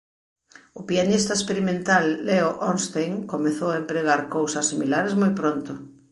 O pianista experimental Leo Ornstein comezou a empregar cousas similares moi pronto.